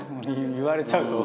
言われちゃうと。